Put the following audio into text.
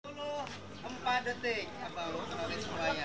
dua puluh empat detik apa lo